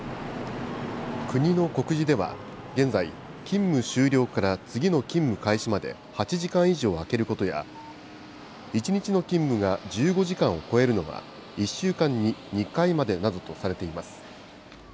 国の告示では、現在、勤務終了から次の勤務開始まで８時間以上空けることや、１日の勤務が１５時間を超えるのは１週間に２回までなどとされています。